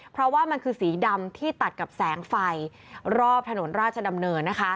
เพราะว่ามันคือสีดำที่ตัดกับแสงไฟรอบถนนราชดำเนิน